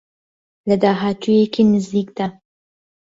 لە داهاتوویەکی نزیکدا